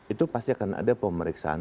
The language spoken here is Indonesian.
itu pasti akan ada pemeriksaan